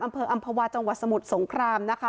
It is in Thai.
อำเภออำภาวาจังหวัดสมุทรสงครามนะคะ